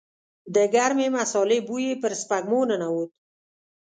د ګرمې مسالې بوی يې پر سپږمو ننوت.